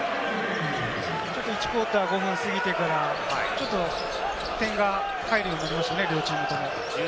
第１クオーター、５分過ぎてから点が入るようになりましたね、両チームとも。